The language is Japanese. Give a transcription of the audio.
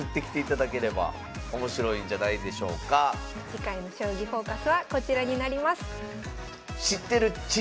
次回の「将棋フォーカス」はこちらになります。